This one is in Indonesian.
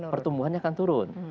pertumbuhannya akan turun